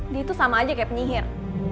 dia tuh sama aja kayak penyihir